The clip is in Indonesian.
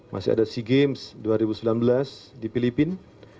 masih ada sea games dua ribu sembilan belas di filipina